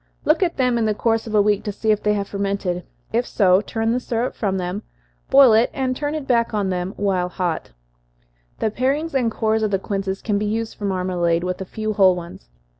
Look at them in the course of a week, to see if they have fermented if so, turn the syrup from them, boil it, and turn it back while hot. The parings and cores of the quinces can be used for marmalade, with a few whole ones.